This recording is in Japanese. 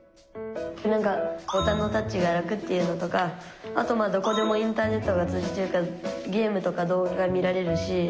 ボタンのタッチが楽っていうのとかあとどこでもインターネットが通じてるからゲームとか動画が見られるし。